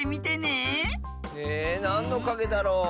えなんのかげだろう。